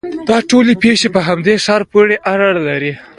دا ټولې پېښې په همدې ښار پورې اړه لري.